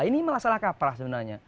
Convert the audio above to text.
ini malah salah kaprah sebenarnya